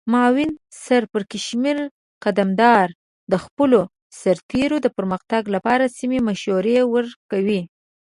معاون سرپرکمشر قدمدار د خپلو سرتیرو د پرمختګ لپاره سمې مشورې ورکوي.